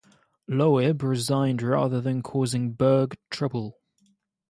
Loeb resigned rather than cause Berg trouble.